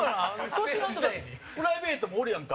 粗品とかプライベートもおるやんか。